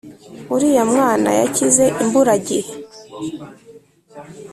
uriya mwana yakize imburagihe